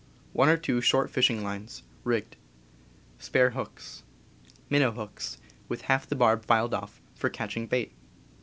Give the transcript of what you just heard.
One or two short fishing lines, rigged. p Spare hooks. Minnow hooks (with ,.°^^ half the barb filed off) for catching ^'* bait.